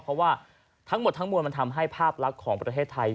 เพราะว่าทั้งหมดทั้งมวลมันทำให้ภาพลักษณ์ของประเทศไทย